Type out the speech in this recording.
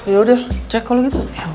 ya udah cek kalau gitu